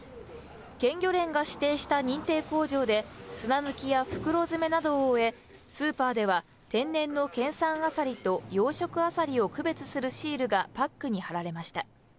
県漁連が指定した認定工場で、砂抜きや袋詰めなどを終え、スーパーでは天然の県産アサリと養殖アサリを区別するシールがパックに貼られました。